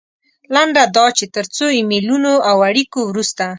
لنډه دا چې تر څو ایمیلونو او اړیکو وروسته.